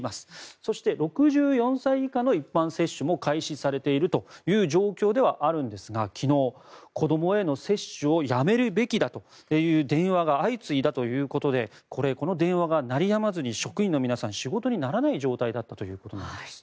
そして、６４歳以下の一般接種も開始されているという状況ではあるんですが昨日、子どもへの接種をやめるべきだという電話が相次いだということでこの電話が鳴りやまずに職員の皆さん、仕事にならない状態だったということなんです。